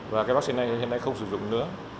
và cái vắc xin này hiện nay không sử dụng nữa